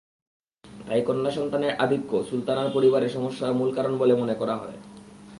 তাই কন্যাসন্তানের আধিক্য সুলতানার পরিবারে সমস্যার মূল কারণ বলে মনে করা হয়।